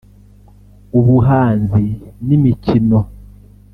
ubuhanzi n’imikino